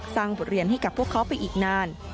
บทเรียนให้กับพวกเขาไปอีกนาน